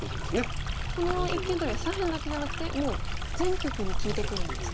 この一間トビは左辺だけじゃなくてもう全局に利いてくるんですね。